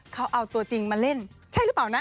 เขาเอาตัวจริงมาเล่นใช่หรือเปล่านะ